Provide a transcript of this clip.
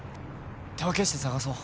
手分けして捜そう。